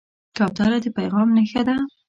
کوتره د پیغام نښه ده.